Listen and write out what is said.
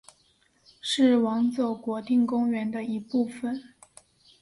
是网走国定公园的一部分。